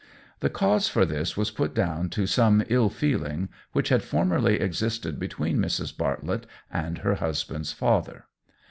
The cause for this was put down to some ill feeling which had formerly existed between Mrs. Bartlett and her husband's father.